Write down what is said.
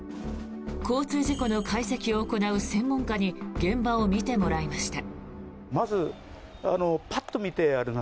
交通事故の解析を行う専門家に現場を見てもらいました。